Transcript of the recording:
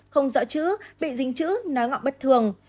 không rõ chữ bị dính chữ nói ngọ bất thường